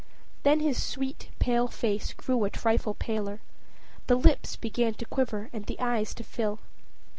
Then the sweet, pale face grew a trifle paler, the lips began to quiver, and the eyes to fill.